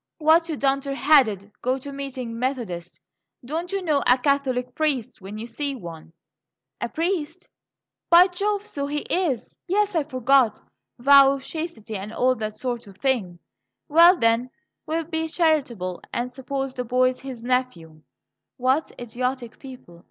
"Why, you dunder headed, go to meeting Methodist! Don't you know a Catholic priest when you see one?" "A priest? By Jove, so he is! Yes, I forgot; vow of chastity, and all that sort of thing. Well then, we'll be charitable and suppose the boy's his nephew." "What idiotic people!"